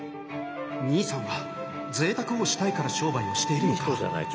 兄さんはぜいたくをしたいから商売をしているのか？